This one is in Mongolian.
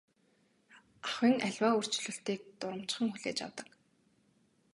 Ахуйн аливаа өөрчлөлтийг дурамжхан хүлээж авдаг.